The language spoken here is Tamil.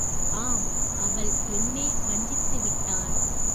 ஆம் அவள் என்னே வஞ்சித்து விட்டாள்.